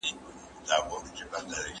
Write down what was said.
زه به سبا زدکړه کوم؟